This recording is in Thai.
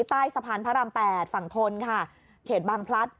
ใต้สะพานพระราม๘ฝั่งทนค่ะเขตบางพลัด